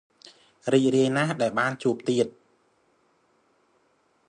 រីករាយណាស់ដែលបានជួបទៀត។